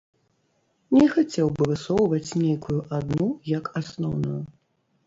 Не хацеў бы высоўваць нейкую адну як асноўную.